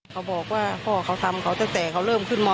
เขาบอกว่าพ่อเขาทำเขาตั้งแต่เขาเริ่มขึ้นม